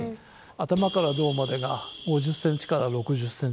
頭から胴までが５０ｃｍから６０ｃｍぐらい。